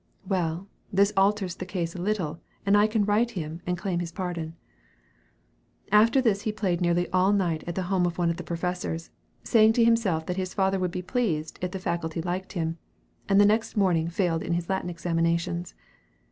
"Well, this alters the case a little, and I can write to him, and claim his pardon." After this he played nearly all night at the home of one of the professors, saying to himself that his father would be pleased if the Faculty liked him, and the next morning failed in his Latin examinations!